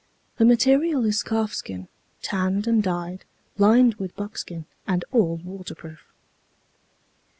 The material is calfskin, tanned and dyed, lined with buckskin, and all waterproof.